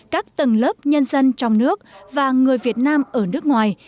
các tầng lớp nhân dân trong nước và người việt nam ở nước ngoài